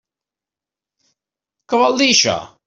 Què vol dir això?